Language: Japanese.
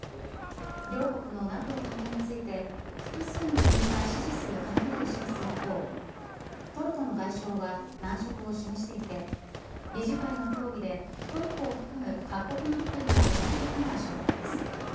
両国のＮＡＴＯ加盟について複数の国が支持する考えを示す一方トルコの外相は難色を示していて理事会の協議でトルコを含む各国の理解が得られるかが焦点です。